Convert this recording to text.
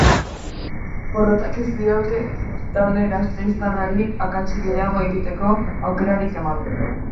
Porrotak ez lioke talde gasteiztarrari akats gehiago egiteko aukerarik emango.